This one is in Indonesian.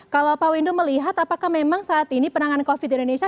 kalau pak windu melihat apakah memang saat ini penanganan covid di indonesia